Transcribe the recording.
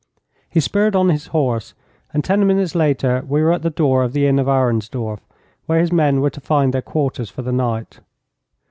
He spurred on his horse, and ten minutes later we were at the door of the inn of Arensdorf, where his men were to find their quarters for the night.